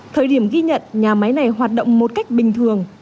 thời điểm ghi nhận nhà máy này hoạt động một cách bình thường